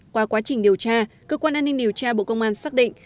qua quá trình điều tra cơ quan an ninh điều tra bộ công an xác định